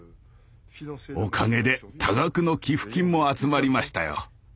おかげで多額の寄付金も集まりましたよ。